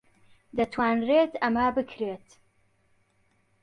دەتوانرێت ئەمە بکرێت.